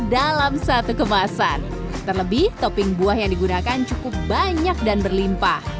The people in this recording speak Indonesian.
dalam satu kemasan terlebih topping buah yang digunakan cukup banyak dan berlimpah